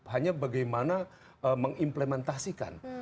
hanya bagaimana mengimplementasikan